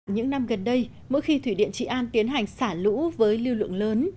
những năm gần đây mỗi khi thủy điện trị an tiến hành xả lũ với lưu lượng lớn